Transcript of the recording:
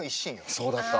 そうだった。